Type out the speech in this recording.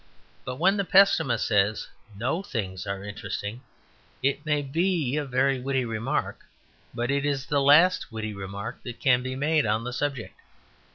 But when the pessimist says, "No things are interesting," it may be a very witty remark: but it is the last witty remark that can be made on the subject.